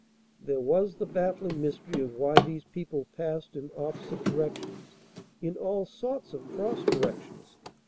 There was the baffling mystery of why these people passed in opposite directions in all sorts of cross directions.